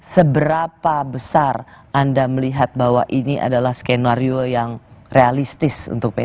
seberapa besar anda melihat bahwa ini adalah skenario yang realistis untuk p tiga